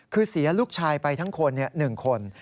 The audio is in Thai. คือเสียลูกชายไปทั้งคน๑คน